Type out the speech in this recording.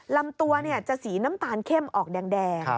ลำตัวจะสีน้ำตาลเข้มออกแดง